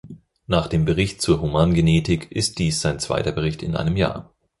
Nach dem Bericht zur Humangenetik ist dies sein zweiter Bericht in einem Jahr!